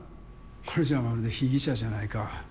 これじゃまるで被疑者じゃないか。